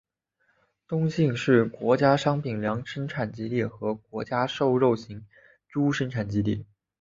东兴是国家商品粮生产基地和国家瘦肉型猪生产基地。